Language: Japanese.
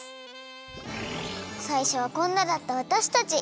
さいしょはこんなだったわたしたち。